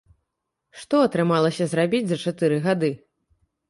Што атрымалася зрабіць за чатыры гады?